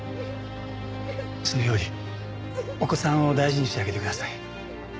それよりお子さんを大事にしてあげてください。